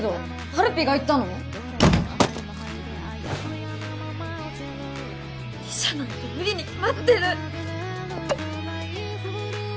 はるぴが言ったの⁉リシャなんて無理に決まってる！